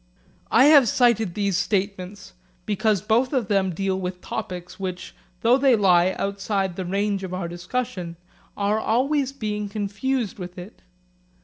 I have cited these statements because both of them deal with topics which, though they lie outside the range of our discussion, are always being confused with it.